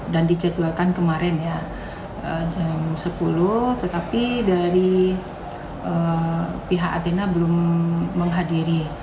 dan dicetualkan kemarin ya jam sepuluh tetapi dari pihak atena belum menghadiri